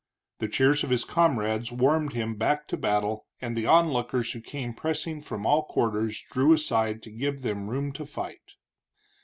The cheers of his comrades warmed him back to battle, and the onlookers who came pressing from all quarters, drew aside to give them room to fight.